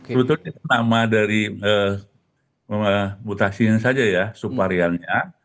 sebetulnya nama dari mutasinya saja ya subvariannya